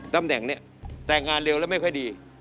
ตำแหน่งนี้แต่งงานเร็วแล้วไม่ค่อยดี